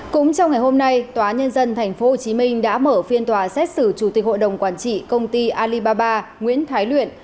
cũng trong ngày hôm nay tòa nhân dân tp hcm đã mở phiên tòa xét xử chủ tịch hội đồng quản trị công ty alibaba nguyễn thái luyện